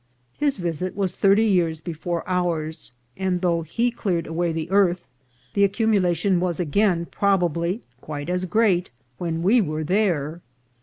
His visit was thirty years before ours ; and, though he cleared away the earth, the accumulation was again probably quite as great when we were there.